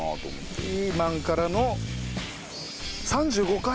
ピーマンからの３５階。